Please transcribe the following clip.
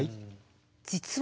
実は。